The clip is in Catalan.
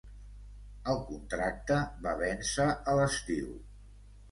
El contracte va vèncer a l'estiu.